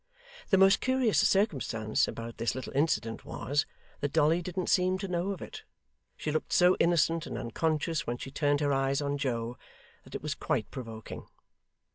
The most curious circumstance about this little incident was, that Dolly didn't seem to know of it. She looked so innocent and unconscious when she turned her eyes on Joe, that it was quite provoking.